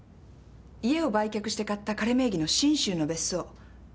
家を売却して買った彼名義の信州の別荘。